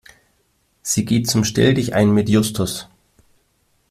Sie geht zum Stelldichein mit Justus.